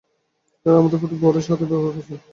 তাঁহারা আমার প্রতি বড়ই সদয় ব্যবহার করিয়াছেন।